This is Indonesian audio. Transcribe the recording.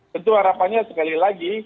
tentu harapannya sekali lagi